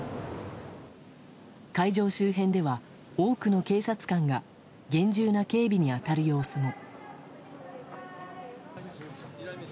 会場周辺では多くの警察官が厳重な警備に当たる様子も。